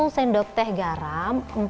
satu sendok teh garam